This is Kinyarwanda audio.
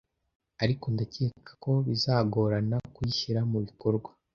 ariko ndacyeka ko bizagorana kuyishyira mubikorwa.